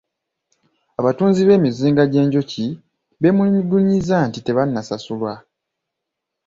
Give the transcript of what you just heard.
Abatunzi b'emizinga gy'enjuki beemulugunyizza nti tebannasasulwa.